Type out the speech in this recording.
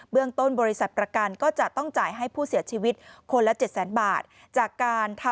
เรื่องต้นบริษัทประกันก็จะต้องจ่ายให้ผู้เสียชีวิตคนละ๗แสนบาท